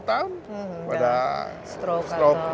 kita sudah berada di bali